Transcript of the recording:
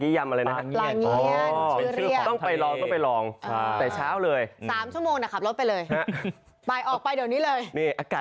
ของคนประจวบเขา